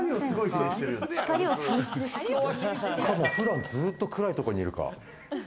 それか普段ずっと暗いところにいるか。